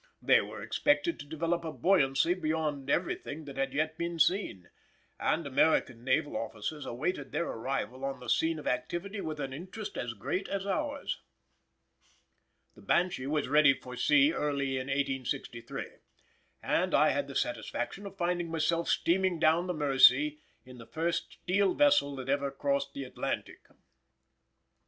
They were expected to develop a buoyancy beyond everything that had yet been seen, and American naval officers awaited their arrival on the scene of activity with an interest as great as ours. The Banshee was ready for sea early in 1863, and I had the satisfaction of finding myself steaming down the Mersey in the first steel vessel that ever crossed the Atlantic.